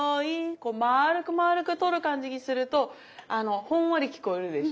こう丸く丸くとる感じにするとほんわり聴こえるでしょ。